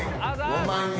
５万円。